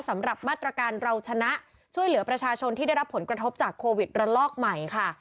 สำหรับมาตรการเราชนะช่วยเหลือประชาชนที่ได้รับผลกระทบจากโควิดระลอกใหม่ค่ะ